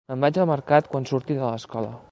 Me'n vaig al mercat quan surti de l'escola.